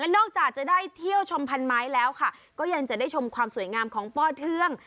นอกจากจะได้เที่ยวชมพันไม้แล้วค่ะก็ยังจะได้ชมความสวยงามของป้อเทือง